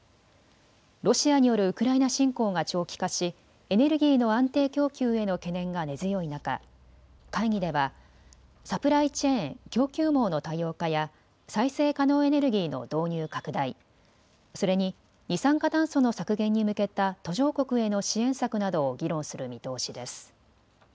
ロシアによるウクライナ侵攻が長期化しエネルギーの安定供給への懸念が根強い中、会議ではサプライチェーン・供給網の多様化や再生可能エネルギーの導入拡大、それに二酸化炭素の削減に向けた途上国への支援策などを議論する見通しです。